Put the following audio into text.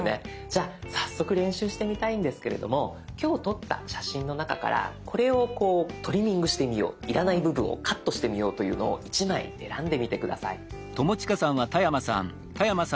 じゃあ早速練習してみたいんですけれども今日撮った写真の中からこれをこうトリミングしてみよう要らない部分をカットしてみようというのを１枚選んでみて下さい。